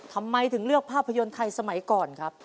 ทำไมถึงเลือกภาพยนตร์ไทยสมัยก่อนครับ